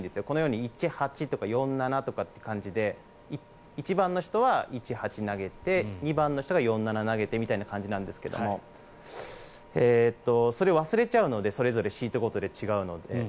このように１、８とか４、７とかっていう感じで１番の人は１、８を投げて２番の人は４、７を投げてという感じなんですけどそれを忘れちゃうのでそれぞれシートごとで違うので。